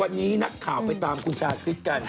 วันนี้นักข่าวไปตามคุณชาคริสกัน